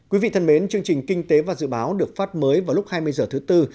quý vị thân mến chương trình kinh tế và dự báo được phát mới vào lúc hai mươi h thứ tư